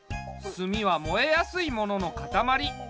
炭は燃えやすいもののかたまり。